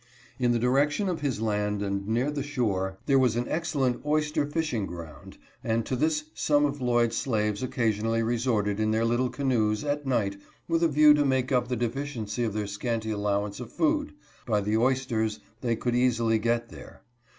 In the direction of his land, and near the shore, there was an excellent oyster fishing ground, and to this some of | Lloyd's slaves occasionally resorted in their little canoes, at night, with a view to make up the deficiency of their scanty allowance of food by the oysters that they could easily get there.